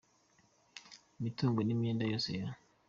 Imitungo n’imyenda yose ya.